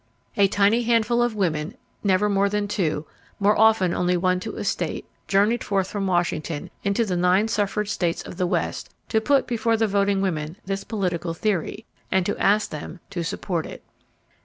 A tiny handful of women never more than two, more often only one to a state—journeyed forth from Washington into the nine suffrage states of the West to put before the voting women this political theory, and to ask them to support it.